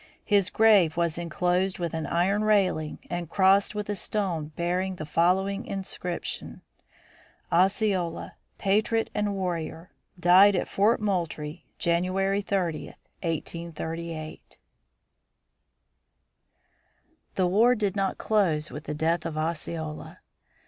His grave was inclosed with an iron railing and marked with a stone bearing the following inscription: Osceola, Patriot and Warrior, Died at Fort Moultrie, January 30, 1838. [Illustration: REMOVAL OF SOUTHERN INDIANS] The war did not close with the death of Osceola.